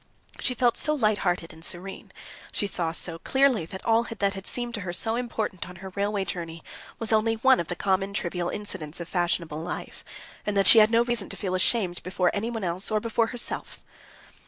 She felt so light hearted and serene, she saw so clearly that all that had seemed to her so important on her railway journey was only one of the common trivial incidents of fashionable life, and that she had no reason to feel ashamed before anyone else or before herself.